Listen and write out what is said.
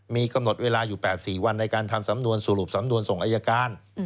มีกำหนดเวลาอยู่๘๔วันในการทำสำนวนสรุปสำนวนส่งอายการ